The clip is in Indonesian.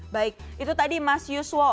baik itu tadi mas yuswo